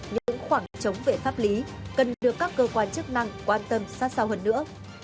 những khoảng trống về pháp lý cần được các cơ quan chức năng quan tâm xa xa hơn nữa